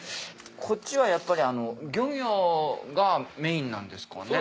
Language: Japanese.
こっちはやっぱり漁業がメインなんですかね？